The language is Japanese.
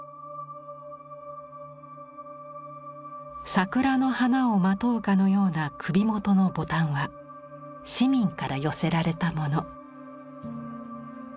桜の花をまとうかのような首元のボタンは市民から寄せられたもの。